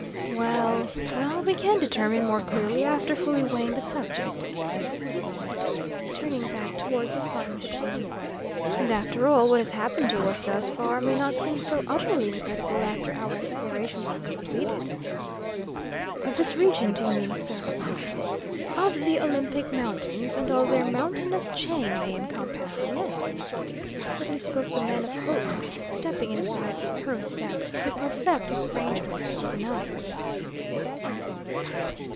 "Well, well, we can determine more clearly after fully weighing the subject," he said, turning back towards the flying machine. "And, after all, what has happened to us thus far may not seem so utterly incredible after our explorations are completed." "Of this region, do you mean, sir?" "Of the Olympic mountains, and all their mountainous chain may encompass, yes," curtly spoke the man of hopes, stepping inside the aerostat to perfect his arrangements for the night.